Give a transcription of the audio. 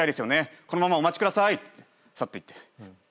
「このままお待ちください」去っていって。